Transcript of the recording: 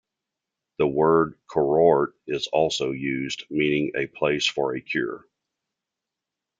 The word "Kurort" is also used, meaning a place for a cure.